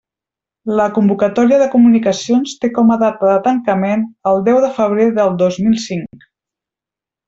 La convocatòria de comunicacions té com a data de tancament el deu de febrer del dos mil cinc.